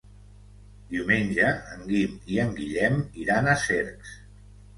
Diumenge en Guim i en Guillem iran a Cercs.